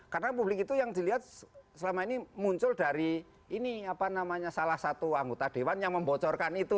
karena publik itu yang dilihat selama ini muncul dari ini apa namanya salah satu anggota dewan yang membocorkan itu